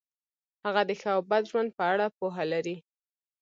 هغه د ښه او بد ژوند په اړه پوهه لري.